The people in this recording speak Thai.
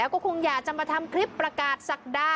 ก็คงอยากจะมาทำคลิปประกาศศักดา